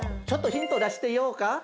ちょっとヒント出してみようか？